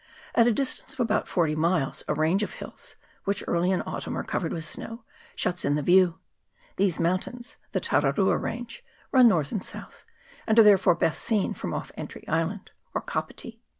At a distance of about forty miles a range of hills, which early in autumn are covered with snow, shuts in the view. These moun tains the Tararua range run north and south, and are therefore best seen from off Entry Island, or Kapiti.